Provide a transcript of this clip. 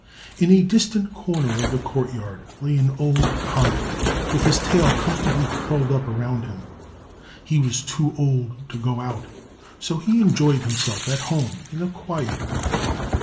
In a distant corner of the court yard lay an old comet, with his tail comfortably curled up around him. He was too old to go out, so he enjoyed himself at home in a quiet way.